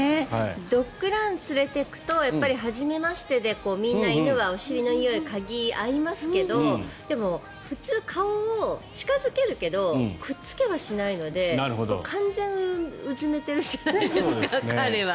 ドッグランに連れていくと初めましてでみんな犬はお尻のにおいを嗅ぎ合いますけどでも普通、顔を近付けるけどくっつけはしないので完全にうずめているじゃないですか、彼は。